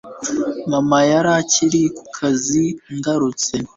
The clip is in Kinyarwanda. Mama yari akiri kukazi ngarutse